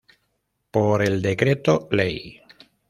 Por el Decreto Ley.